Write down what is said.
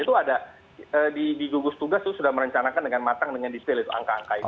itu ada di gugus tugas itu sudah merencanakan dengan matang dengan detail itu angka angka itu